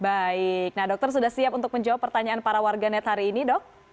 baik nah dokter sudah siap untuk menjawab pertanyaan para warganet hari ini dok